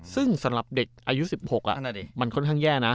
ซึ่งสำหรับเด็กอายุ๑๖มันค่อนข้างแย่นะ